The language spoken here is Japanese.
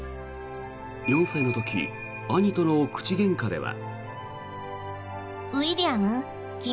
４歳の時兄との口げんかでは。